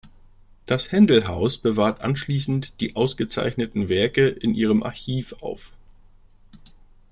Das Händel-Haus bewahrt anschließend die ausgezeichneten Werke in ihrem Archiv auf.